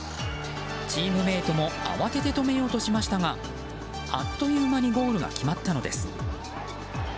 チームメートも慌てて止めようとしましたがあっというまにゴールが決まったのです。